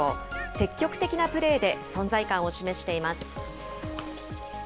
積極的なプレーで存在感を示しています。